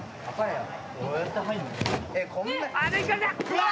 うわ！